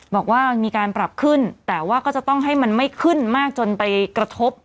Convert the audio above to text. บอกว่ามีการปรับขึ้นแต่ว่าก็จะต้องให้มันไม่ขึ้นมากจนไปกระทบ